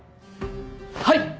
「はい！